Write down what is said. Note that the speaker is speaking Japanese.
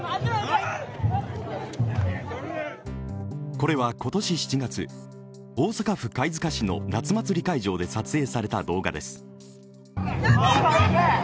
これは今年７月、大阪府貝塚市の夏祭り会場で撮影された動画です。